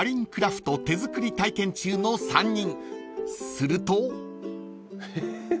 ［すると］